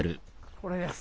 これです。